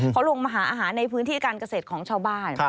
เขาลงมาหาอาหารในพื้นที่การเกษตรของชาวบ้าน